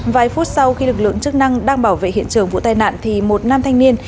vài phút sau khi lực lượng chức năng đang bảo vệ hiện trường vụ tai nạn thì một nam thanh niên